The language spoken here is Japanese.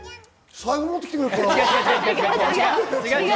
財布持ってきてくれるかな？